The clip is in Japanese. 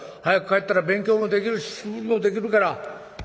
早く帰ったら勉強もできるし素振りもできるから」。